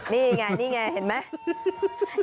นี่ไงเห็นไหม